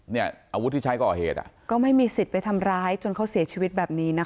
อาวุธที่ใช้ก่อเหตุอ่ะก็ไม่มีสิทธิ์ไปทำร้ายจนเขาเสียชีวิตแบบนี้นะคะ